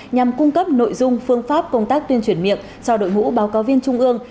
nhằm cung cấp nội dung phương pháp công tác tuyên truyền miệng cho đội ngũ báo cáo viên trung ương